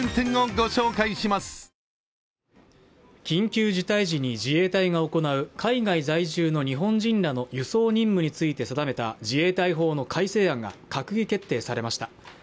緊急事態時に自衛隊が行う海外在住の日本人らの輸送任務について定めた自衛隊法の改正案が閣議決定されました